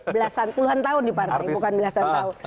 belasan puluhan tahun di partai bukan belasan tahun